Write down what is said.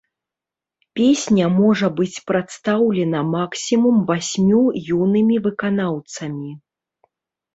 Песня можа быць прадстаўлена максімум васьмю юнымі выканаўцамі.